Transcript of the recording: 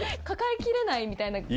抱えきれないみたいな。